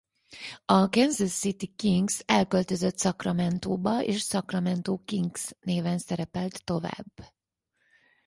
A Kansas City Kings elköltözött Sacramentóba és Sacramento Kings néven szerepelt tovább.